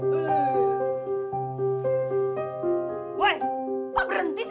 kok berhenti sih